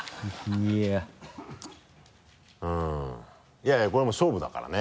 いやいやこれもう勝負だからね。